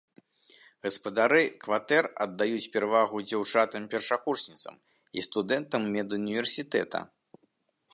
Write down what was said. Гаспадары кватэр аддаюць перавагу дзяўчатам-першакурсніцам і студэнтам медуніверсітэта.